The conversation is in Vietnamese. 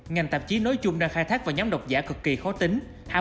ngành tạp chí nói chung đang khai thác vào nhóm độc giả cực kỳ khó tính